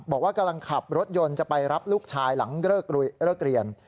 บอกว่ากำลังขับรถยนต์จะไปรับลูกชายหลังเลิกเรียน